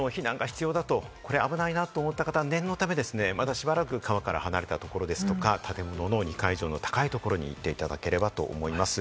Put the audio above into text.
危ないなと思った方は念のため、まだしばらく川から離れたところですとか、建物の２階以上の高いところに行っていただければと思います。